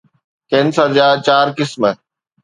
cancer جا چار قسم